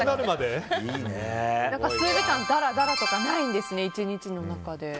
数時間、だらだらとかないんですね、１日の中で。